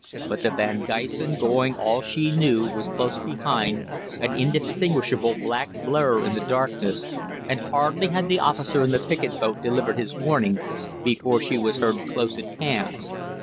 But the 'Van Gysen,' going all she knew, was close behind, an indistinguishable black blur in the darkness, and hardly had the officer in the picket boat delivered his warning before she was heard close at hand.